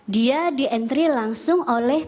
dia dientri langsung oleh